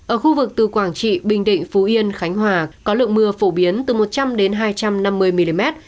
ở khu vực từ quảng trị bình định phú yên khánh hòa có lượng mưa phổ biến từ một trăm linh hai trăm năm mươi mm